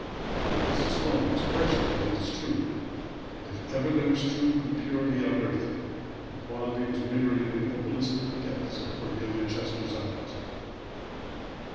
It is a strong expression, but it is true. If ever there was truth and purity on earth, the quality was mirrored in the opalistic depths of Cordelia Chester's eyes.